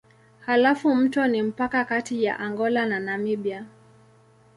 Halafu mto ni mpaka kati ya Angola na Namibia.